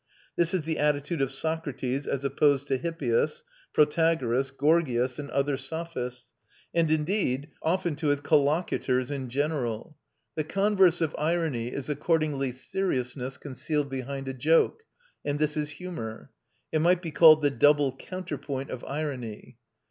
This is the attitude of Socrates as opposed to Hippias, Protagoras, Gorgias, and other sophists, and indeed often to his collocutors in general. The converse of irony is accordingly seriousness concealed behind a joke, and this is humour. It might be called the double counterpoint of irony.